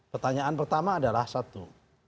pertanyaan pertama adalah satu